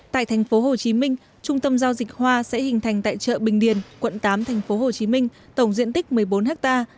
tại tp hcm trung tâm giao dịch hoa sẽ hình thành tại chợ bình điền quận tám tp hcm tổng diện tích một mươi bốn ha